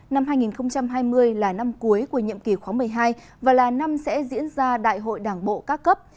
năm hai nghìn hai mươi là năm cuối của nhiệm kỳ khóa một mươi hai và là năm sẽ diễn ra đại hội đảng bộ các cấp